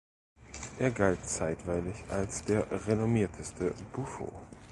Er galt zeitweilig als der renommierteste Buffo.